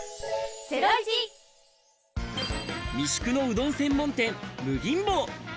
三宿のうどん専門店、夢吟坊。